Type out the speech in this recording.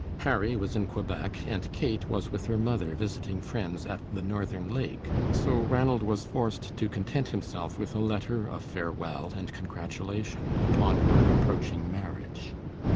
Harry was in Quebec and Kate was with her mother visiting friends at the Northern Lake, so Ranald was forced to content himself with a letter of farewell and congratulation upon her approaching marriage.